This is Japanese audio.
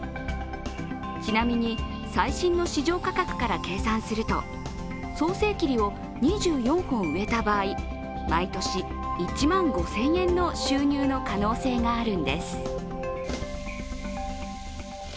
ちなみに、最新の市場価格から計算すると、早生桐を２４本植えた場合毎年１万５０００円の収入の可能性があるんです。